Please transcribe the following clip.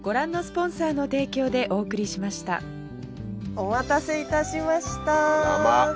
お待たせいたしました。